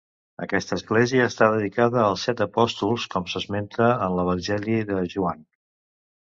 Aquesta església està dedicada als set apòstols, com s'esmenta en l'Evangeli de Joan.